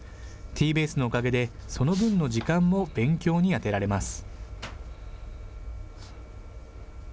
Ｔーｂａｓｅのおかげで、その分の時間も勉強に充てられます。